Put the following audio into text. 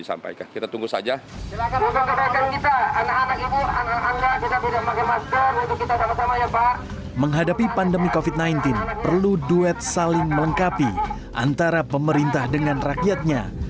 selalu duet saling melengkapi antara pemerintah dengan rakyatnya